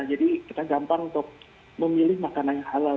jadi kita gampang untuk memilih makanan halal